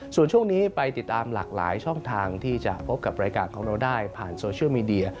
ส่วนช่วงนี้ไปติดตามหลากหลายช่องทางที่จะพบกับรายการของเราได้ผ่านโซเชียลมีเดีย